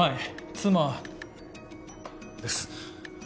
妻です